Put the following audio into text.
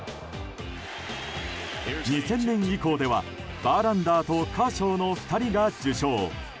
２０００年以降ではバーランダーとカーショーの２人が受賞。